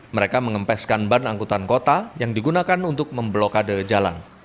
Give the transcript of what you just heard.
mereka mengempeskan ban angkutan kota yang digunakan untuk memblokade jalan